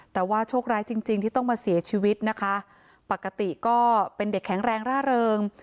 แต่ว่าโชคร้ายจริงจริงที่ต้องมาเสียชีวิตนะคะปกติก็เป็นเด็กแข็งแรงร่าเริง